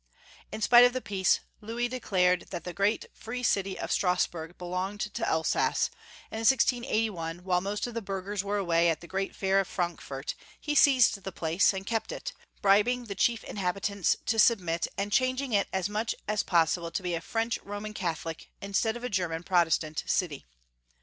In spite of the peace, Louis declared that the great free city of Strasburg belonged to Elsass, and in 1681, while most of the burghers were away at the great fair of Frankfort, he seized the place, and kept it, bribing the chief inhabitants to submit, and changing it as much as possible to be a French Roman Catholic instead of a German Protestant city.